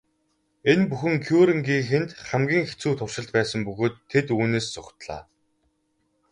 Энэ бүхэн Кюрегийнхэнд хамгийн хэцүү туршилт байсан бөгөөд тэд үүнээс зугтлаа.